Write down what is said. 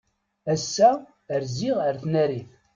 Ass-a rziɣ ar tnarit.